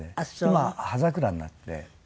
今葉桜になって。